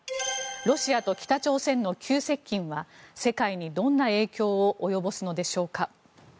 ロシアと北朝鮮の急接近は世界にどんな影響を及ぼすのでしょうか。